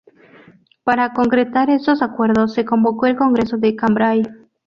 Para concretar estos acuerdos se convocó el Congreso de Cambrai.